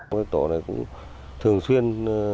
cái tổ này cũng thường xuyên